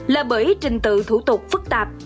là bởi trình tự thủ tục phức tạp